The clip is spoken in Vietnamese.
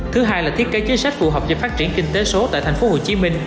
thứ hai là thiết kế chính sách phù hợp cho phát triển kinh tế số tại tp hcm